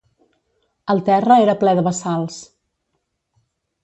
El terra era plè de bassals.